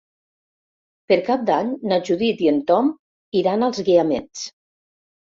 Per Cap d'Any na Judit i en Tom iran als Guiamets.